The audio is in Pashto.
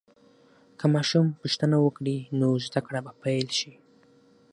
که ماشوم پوښتنه وکړي، نو زده کړه به پیل شي.